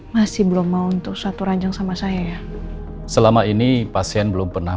masih belum mau untuk satu ranjang sama saya ya selama ini pasien belum pernah